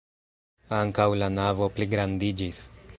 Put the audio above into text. Ankaŭ la navo pligrandiĝis.